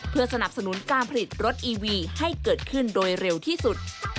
เพื่อสนับสนุนการผลิตรถอีวีให้เกิดขึ้นโดยเร็วที่สุด